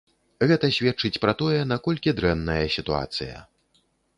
Гэта сведчыць пра тое, наколькі дрэнная сітуацыя.